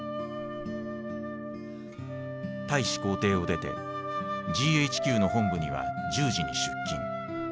大使公邸を出てＧＨＱの本部には１０時に出勤。